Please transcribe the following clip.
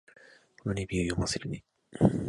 このレビュー、読ませるね